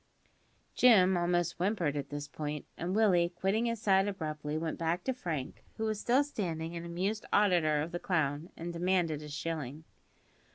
Jim almost whimpered at this point, and Willie, quitting his side abruptly, went back to Frank (who was still standing an amused auditor of the clown), and demanded a shilling.